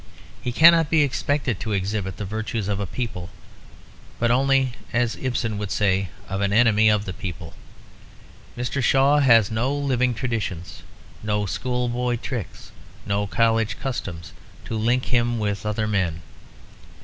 He cannot be expected to exhibit the virtues of a people, but only (as Ibsen would say) of an enemy of the people. Mr. Shaw has no living traditions, no schoolboy tricks, no college customs, to link him with other men.